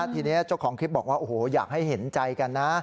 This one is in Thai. ทีนี้เจ้าของคลิปบอกว่าโอ้โหอยากให้เห็นใจกันนะ